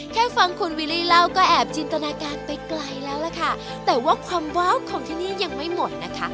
แค่ฟังคุณวิลลี่เล่าก็แอบจินตนาการไปไกลแล้วล่ะค่ะแต่ว่าความว้าวของที่นี่ยังไม่หมดนะคะ